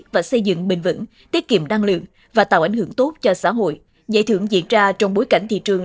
và xây dựng bình vẩn tiết kiệm năng lượng và tạo ảnh hưởng tốt cho xã hội giải thưởng diễn ra trong bối cảnh thị trường